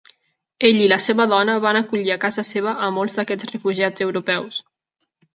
Ell i la seva dona van acollir a casa seva a molts d'aquests refugiats europeus.